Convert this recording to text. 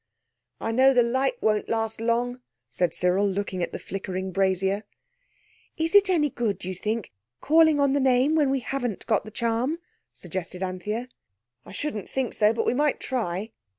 "I know the light won't last long," said Cyril, looking at the flickering brazier. "Is it any good, do you think, calling on the name when we haven't got the charm?" suggested Anthea. "I shouldn't think so. But we might try."